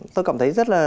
tôi cảm thấy rất là